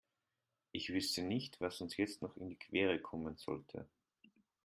Ich wüsste nicht, was uns jetzt noch in die Quere kommen sollte.